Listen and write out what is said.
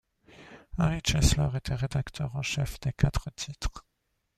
Harry Chesler était rédacteur en chef des quatre titres.